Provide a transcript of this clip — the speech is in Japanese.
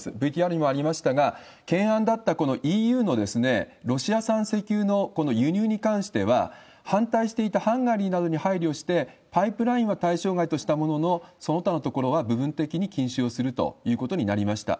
ＶＴＲにもありましたが、懸案だったこのＥＵのロシア産石油のこの輸入に関しては、反対していたハンガリーなどに配慮して、パイプラインは対象外としたものの、その他のところは部分的に禁止をするということになりました。